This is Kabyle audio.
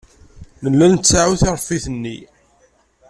Nella nettaɛu tiṛeffit-nni.